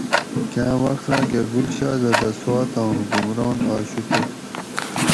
کاۤں وخت راۤکہ گل شہزادہ سواتاں حمکران آشو تہ